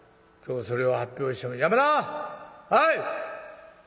今日それを発表して山田！」。